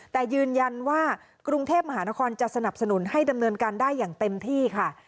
แต่ยืนยันว่ากรุงเทพมหานครจะสนับสนุนให้ดำเนินการได้อย่างเต็มที่ค่ะ